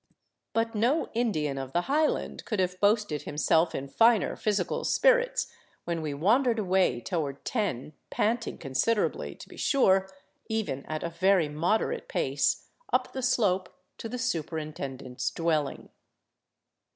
But no Indian of the highland could have boasted him self in finer physical spirits when we wandered away toward ten, pant ing considerably, to be sure, even at a very moderate pace, up the slope to the superintendent's dwelling.